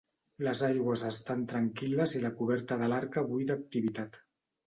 Les aigües estan tranquil·les i la coberta de l'Arca bull d'activitat.